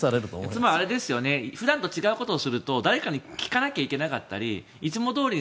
つまり普段と違うことをすると誰かに聞かなきゃいけなかったりいつもどおり